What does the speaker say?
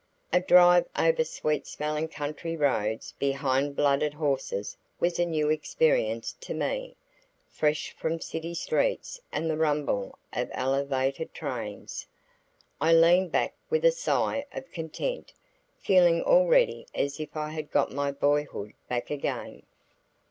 A drive over sweet smelling country roads behind blooded horses was a new experience to me, fresh from city streets and the rumble of elevated trains. I leaned back with a sigh of content, feeling already as if I had got my boyhood back again.